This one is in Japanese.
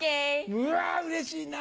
うわうれしいな。